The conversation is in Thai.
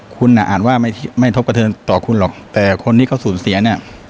คุณอ่ะอ่านว่าไม่ทบกระเทินต่อคุณหรอกแต่คนที่เขาสูญเสียเนี่ย